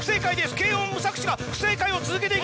けーおん・無策師が不正解を続けていきます。